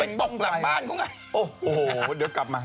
ไปตรงหลังบานเขาไง